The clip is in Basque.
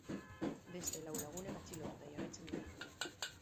Beste lau lagunek atxilotuta jarraitzen dute.